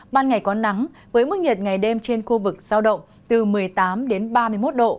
ban ngày có nắng với mức nhiệt ngày đêm trên khu vực giao động từ một mươi tám đến ba mươi một độ